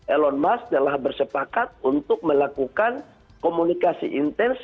elon musk telah bersepakat untuk melakukan komunikasi intens